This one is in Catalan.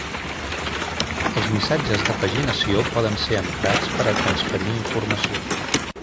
Els missatges de paginació poden ser emprats per a transferir informació.